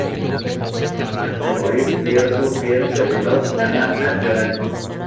Poco antes de morir, vio a su fiel servidor Ananda, llorando.